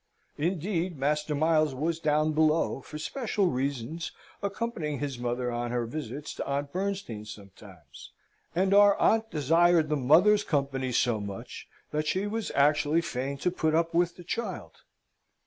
Indeed, Master Miles was down below, for special reasons accompanying his mother on her visits to Aunt Bernstein sometimes; and our aunt desired the mother's company so much, that she was actually fain to put up with the child.